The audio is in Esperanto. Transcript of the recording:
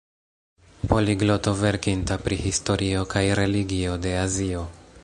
Poligloto verkinta pri historio kaj religio de Azio.